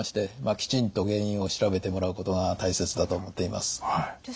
きちんと原因を調べてもらうことが大切だと思っています。